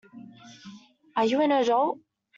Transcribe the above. Are you an adult?